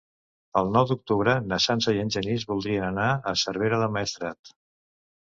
El nou d'octubre na Sança i en Genís voldrien anar a Cervera del Maestrat.